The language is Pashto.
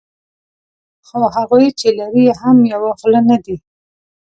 خو هغوی چې لري یې هم یوه خوله نه دي.